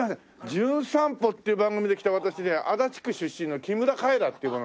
『じゅん散歩』っていう番組で来た私ね足立区出身の木村カエラっていう者。